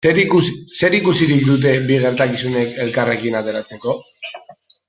Zer ikusirik dute bi gertakizunek elkarrekin ateratzeko?